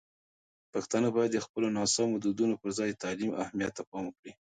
پښتانه باید د خپلو ناسمو دودونو پر ځای د تعلیم اهمیت ته پام وکړي.